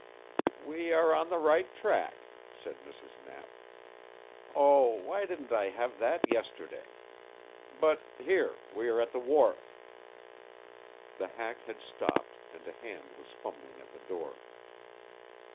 "We are on the right track," said Mrs. Knapp. "Oh, why didn't I have that yesterday? But here we are at the wharf." The hack had stopped, and a hand was fumbling at the door.